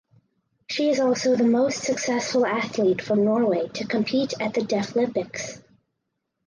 She is also the most successful athlete from Norway to compete at the Deaflympics.